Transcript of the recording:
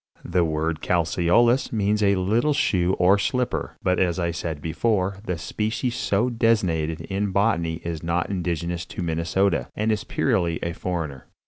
The word "Calceolous" means a little shoe or slipper; but, as I said before, the species so designated in botany is not indigenous to Minnesota, and is purely a foreigner.